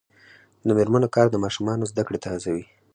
د میرمنو کار د ماشومانو زدکړې ته هڅوي.